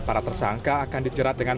para tersangka akan dijerat dengan